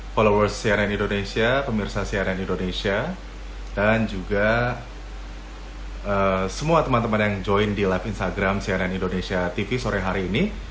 followers cnn indonesia pemirsa cnn indonesia dan juga semua teman teman yang join di live instagram cnn indonesia tv sore hari ini